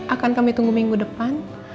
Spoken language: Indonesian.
akan kami tunggu minggu depan